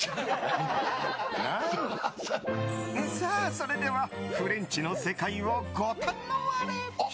それではフレンチの世界をご堪能あれ。